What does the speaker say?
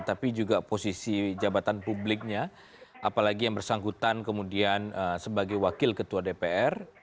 tapi juga posisi jabatan publiknya apalagi yang bersangkutan kemudian sebagai wakil ketua dpr